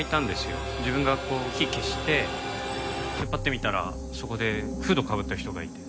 自分がこう火消してぱって見たらそこでフードかぶった人がいて。